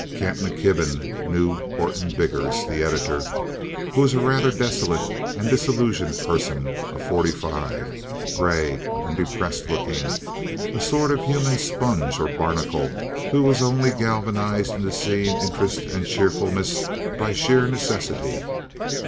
Kent McKibben knew Horton Biggers, the editor, who was a rather desolate and disillusioned person of forty five, gray, and depressed looking—a sort of human sponge or barnacle who was only galvanized into seeming interest and cheerfulness by sheer necessity.